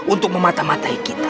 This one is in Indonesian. untuk memata matai kita